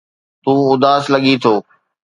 تون اداس لڳين ٿو